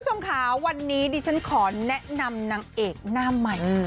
คุณผู้ชมค่ะวันนี้ดิฉันขอแนะนำนางเอกหน้าใหม่